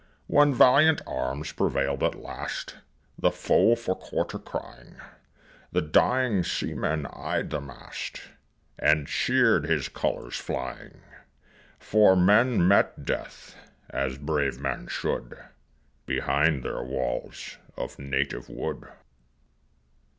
When valiant arms prevailed at last, The foe for quarter crying, The dying seaman eyed the mast, And cheered his colors flying For men met death, as brave men should, Behind their walls of native wood.